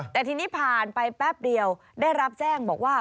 แต่ทีนี้ผ่านไปแป๊บเดียวได้รับแจ้งบอกว่า